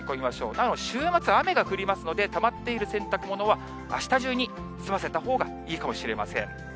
なお、週末雨が降りますので、たまっている洗濯物は、あした中に済ませたほうがいいかもしれません。